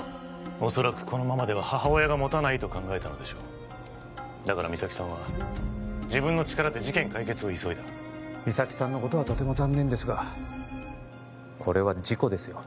おそらくこのままでは母親がもたないと考えたのでしょうだから実咲さんは自分の力で事件解決を急いだ実咲さんのことはとても残念ですがこれは事故ですよ